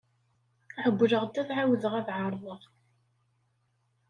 Ԑewwleɣ-d ad εawdeɣ ad εerḍeɣ.